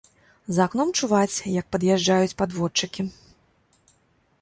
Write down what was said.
За акном чуваць, як пад'язджаюць падводчыкі.